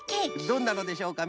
どんなのでしょうか？